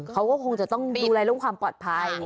เขาก็คงจะต้องดูแลเรื่องความปลอดภัย